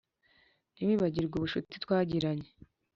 ntiwibagirwe ubucuti twagiranye.